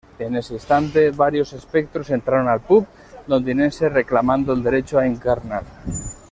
En ese instante, varios espectros entraron al "pub" londinense reclamando el derecho a encarnar.